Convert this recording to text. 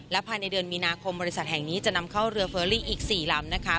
ภายในเดือนมีนาคมบริษัทแห่งนี้จะนำเข้าเรือเฟอรี่อีก๔ลำนะคะ